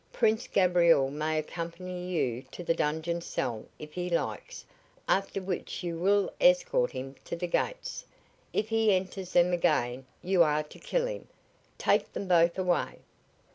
Prince Gabriel may accompany you to the dungeon cell, if he likes, after which you will escort him to the gates. If he enters them again you are to kill him. Take them both away!"